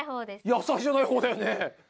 野菜じゃないほうだよね。